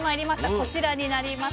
こちらになります。